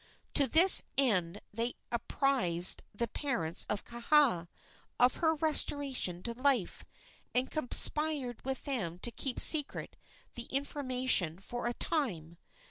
To this end they apprised the parents of Kaha of her restoration to life, and conspired with them to keep secret the information for a time.